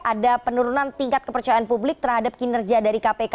ada penurunan tingkat kepercayaan publik terhadap kinerja dari kpk